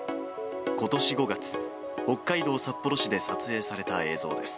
ことし５月、北海道札幌市で撮影された映像です。